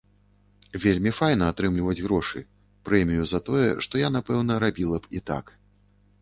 Вельмі файна атрымліваць грошы, прэмію за тое, што я, напэўна, рабіла б і так.